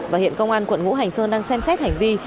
và hiện công an quận ngũ hành sơn đang xem xét hành vi